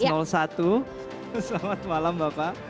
selamat malam bapak